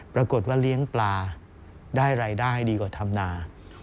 ปรากฏว่าเลี้ยงปลาได้รายได้ดีกว่าธรรมนา